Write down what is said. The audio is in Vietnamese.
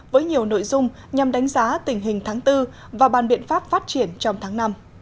với nhiều nội dung nhằm đánh giá tình hình tháng bốn và bàn biện pháp phát triển trong tháng năm